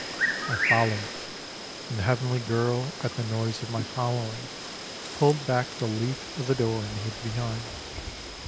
I followed, and the heavenly girl at the noise of my following Pulled back the leaf of the door and hid behind.